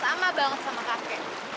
sama banget sama kakek